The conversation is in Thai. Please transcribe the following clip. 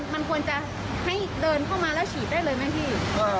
มันควรจะให้เดินเข้ามาแล้วฉีดได้เลยไหมพี่